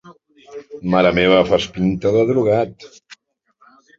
Mare meva, fas pinta de drogat!